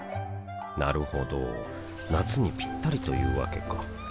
なるほど夏にピッタリというわけか